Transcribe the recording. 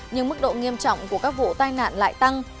nhưng mức độ nghiêm trọng của các vụ tai nạn lại tăng